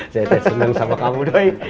saya seneng sama kamu doi